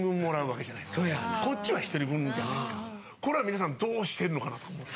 これは皆さんどうしてるのかなと思って。